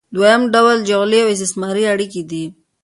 دویم ډول جعلي او استثماري اړیکې دي.